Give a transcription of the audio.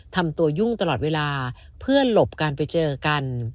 ทำตัวยุ่งตลอดเวลาเพื่อหลบการไปเจอกัน